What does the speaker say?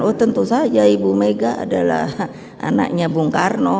oh tentu saja ibu mega adalah anaknya bung karno